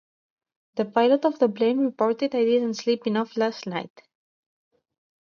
The pilot of the plane reported I didn't sleep enough last night.